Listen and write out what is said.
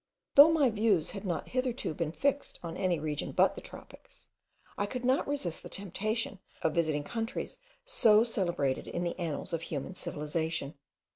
Though my views had not hitherto been fixed on any region but the tropics, I could not resist the temptation of visiting countries so celebrated in the annals of human civilization.